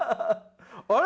あれ？